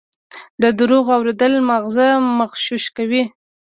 د دروغو اورېدل ماغزه مغشوش کوي.